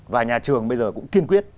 và nhà trường bây giờ cũng kiên quyết